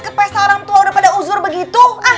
ke pesta orang tua udah pada uzur begitu ah